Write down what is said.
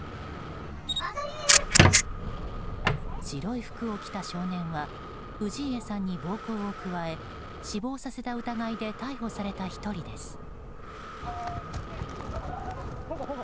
白い服を着た少年は氏家さんに暴行を加え死亡させた疑いで逮捕された１人です。